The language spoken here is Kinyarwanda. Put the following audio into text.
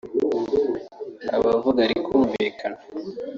abavuga rikumvikana